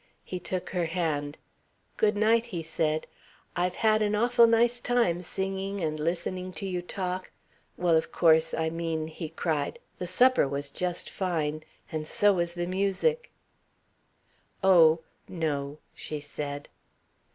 He took her hand. "Good night," he said. "I've had an awful nice time singing and listening to you talk well, of course I mean," he cried, "the supper was just fine. And so was the music." "Oh, no," she said.